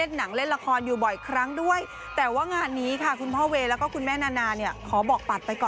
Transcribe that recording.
ใช่แต่ว่าคุณพ่อบอกว่า